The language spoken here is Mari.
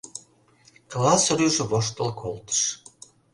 Класс рӱж воштыл колтыш.